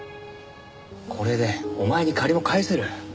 これでお前に借りも返せる。